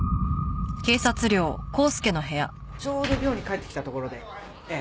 ちょうど寮に帰ってきたところでええ。